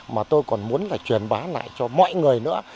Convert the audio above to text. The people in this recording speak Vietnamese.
mà tôi còn muốn là truyền bá lại cho mọi người nữa